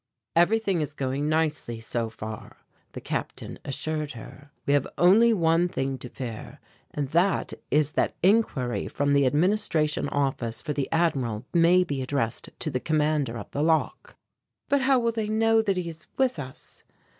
"Everything is going nicely, so far," the Captain assured her. "We have only one thing to fear, and that is that inquiry from the Administration Office for the Admiral may be addressed to the Commander of the Lock." "But how will they know that he is with us?"